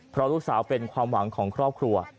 เพราะลูกสาวเป็นความหวังของครอบครัว